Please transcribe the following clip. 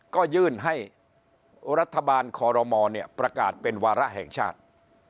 ก็ยื่นให้รัฐบาลคอรมอลประกาศเป็นวาระแห่งชาติ